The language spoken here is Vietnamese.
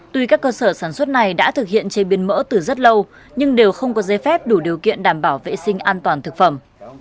tuy các cơ sở sản xuất này đã thực hiện chế biến mỡ từ rất lâu nhưng đều không có giấy phép đủ điều kiện đảm bảo vệ sinh an toàn thực phẩm